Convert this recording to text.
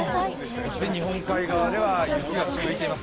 そして日本海側では雪が続いています。